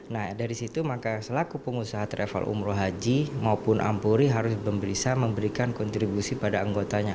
nah dari situ maka selaku pengusaha travel umroh haji maupun ampuri harus bisa memberikan kontribusi pada anggotanya